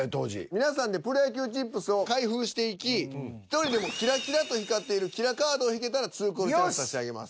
皆さんでプロ野球チップスを開封していき１人でもキラキラと光っているキラカードを引けたら２コールチャンス差し上げます。